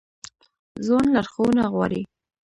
ځوان لارښوونه غواړي